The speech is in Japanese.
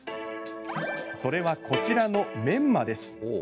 それは、こちらのメンマです。